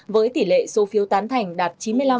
với tỷ lệ số phiếu tán thành đạt chín mươi năm năm mươi năm